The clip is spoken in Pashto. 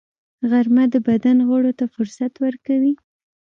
غرمه د بدن غړو ته فرصت ورکوي